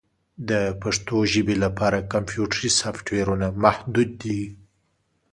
د پښتو ژبې لپاره کمپیوټري سافټویرونه محدود دي.